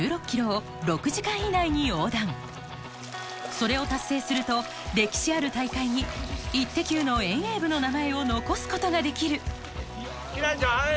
それを達成すると歴史ある大会に『イッテＱ！』の遠泳部の名前を残すことができる輝星ちゃんはい！